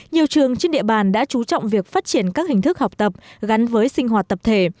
nhiều trường trên địa bàn đã chú trọng việc phát triển các hình thức học tập gắn với sinh hoạt tập thể